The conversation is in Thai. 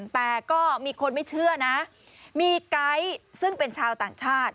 แต่ก็มีคนไม่เชื่อนะมีไก๊ซึ่งเป็นชาวต่างชาติ